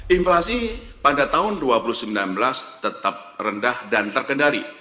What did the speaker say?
inflasi pada tahun dua ribu sembilan belas tetap rendah dan terkendali